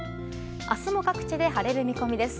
明日も各地で晴れる見込みです。